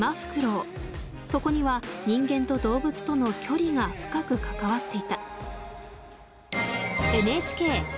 そこには人間と動物との距離が深く関わっていた。